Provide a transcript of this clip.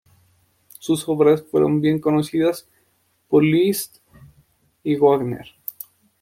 Sus obras fueron bien conocidas por Liszt y Wagner.